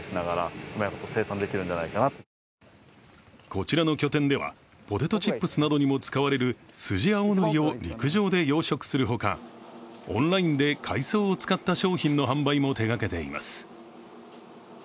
こちらの拠点ではポテトチップスなどにも使われるスジアオノリも陸上で養殖するほか、オンラインで海藻を使った商品の販売も販売も手がけています。